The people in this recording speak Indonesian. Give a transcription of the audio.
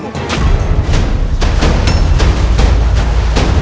kau harus menerima kesempatan